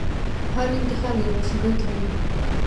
هر انتخاب یو مسؤلیت لري.